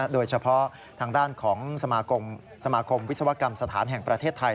โดยเฉพาะทางด้านของสมาคมวิศวกรรมสถานแห่งประเทศไทย